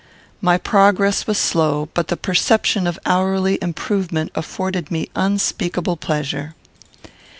My progress was slow; but the perception of hourly improvement afforded me unspeakable pleasure.